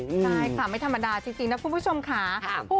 ใช่ค่ะไม่ธรรมดาจริงนะคุณผู้ชมค่ะ